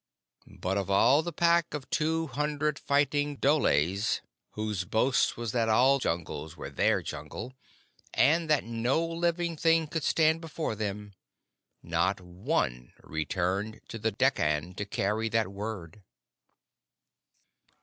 But of all the Pack of two hundred fighting dholes, whose boast was that all Jungles were their Jungle, and that no living thing could stand before them, not one returned to the Dekkan to carry that word.